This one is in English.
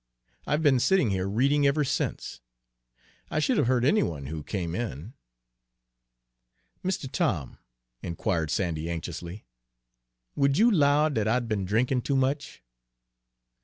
I've been sitting here reading ever since. I should have heard any one who came in." "Mistuh Tom," inquired Sandy anxiously, "would you 'low dat I'd be'n drinkin' too much?"